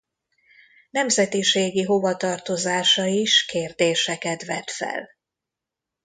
Nemzetiségi hovatartozása is kérdéseket vet fel.